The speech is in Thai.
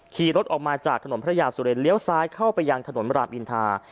ขี่รถออกมาจากถนนพระยาสุเรนเลี้ยวซ้ายเข้าไปยังถนนรามอินทา